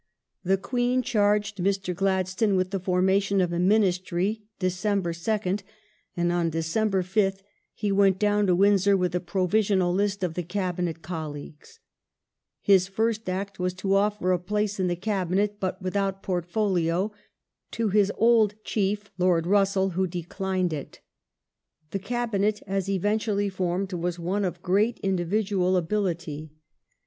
The Queen charged Mr. Gladstone with the formation of a Glad Ministry (Dec. 2nd), and on December 5th he went down to^^^JJ^^jj^. Windsor with a provisional list of the Cabinet colleagues. His istry first act was to offer a place in the Cabinet, but without portfolio, to his old chief Lord Russell, who declined it. The Cabinet as eventually formed was one of great individual ability.